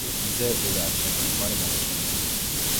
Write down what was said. მზე დედაა ჩემი, მთვარე მამაჩემი.